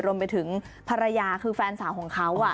รวมไปถึงภรรยาคือแฟนสาวของเขา